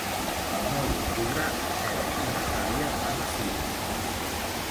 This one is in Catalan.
El nou d'octubre en Nel i na Dàlia van a Fígols.